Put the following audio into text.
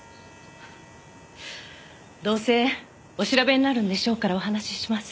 どうせお調べになるんでしょうからお話しします。